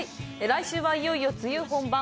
来週は、いよいよ梅雨本番。